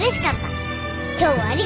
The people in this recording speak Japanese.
今日はありがとな。